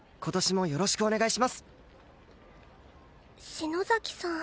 篠崎さん